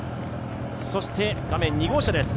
そして、画面２号車です。